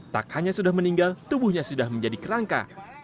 tak hanya sudah meninggal tubuhnya sudah menjadi kerangka